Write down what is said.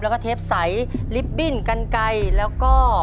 แล้วก็เทปใสลิฟตบิ้นกันไก่แล้วก็